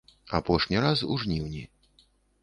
Апошні раз у жніўні.